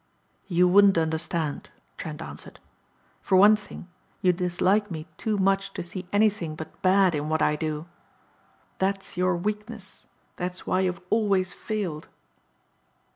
"You wouldn't understand," Trent answered. "For one thing you dislike me too much to see anything but bad in what I do. That's your weakness. That's why you have always failed."